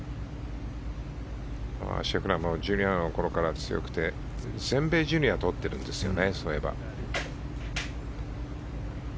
シェフラーもジュニアのころから強くて全米ジュニアとってるんですよね。